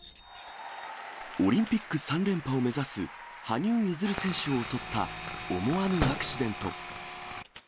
オリンピック３連覇を目指す、羽生結弦選手を襲った思わぬアクシデント。